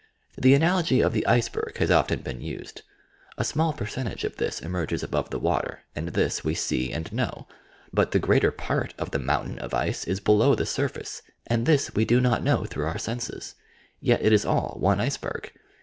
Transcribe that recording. The analogy of the iceberg has often been used. A small percentage of this emei^s above the water, and this we see and know ; but the greater part of the mountain of ice is below the surface, and this we do not know through our senses. Yet it is all one iceberg!